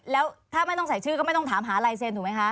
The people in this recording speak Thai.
แล้วถ้าไม่ต้องใส่ชื่อก็ไม่ต้องถามหาลายเซ็นถูกไหมคะ